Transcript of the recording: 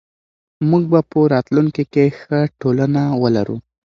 موږ به په راتلونکي کې ښه ټولنه ولرو.